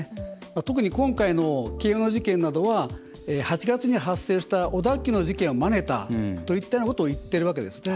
特に今回の京王の事件などは８月に発生した小田急の事件をまねたといったようなことを言ってるわけですよね。